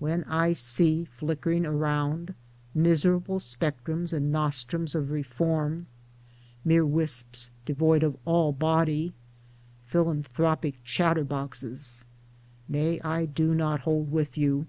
When I see, flickering around, miserable spectrums and nostrums of reform — mere wisps devoid of all body — philanthropic chatterboxes, [Nay, I do not hold with you